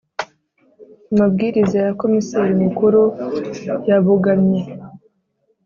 Amabwiriza ya komiseri Mukuru yabogamye